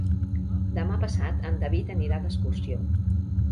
Demà passat en David anirà d'excursió.